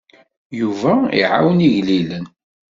Yuba iɛawen igellilen.